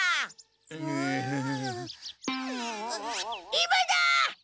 今だ！